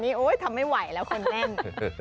อันนี้ทำไม่ไหวแล้วคนแม่ง